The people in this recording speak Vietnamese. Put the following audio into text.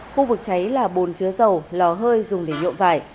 khu vực cháy là bồn chứa dầu lò hơi dùng để nhuộm vải